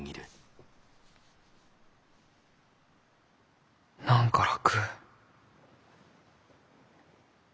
心の声何か楽。